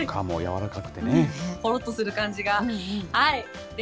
ほろっとする感じが。